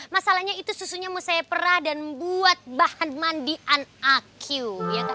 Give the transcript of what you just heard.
masalahnya itu susunya mau saya perah dan membuat bahan mandian aku